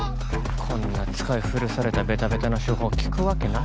こんな使い古されたべたべたの手法効くわけない。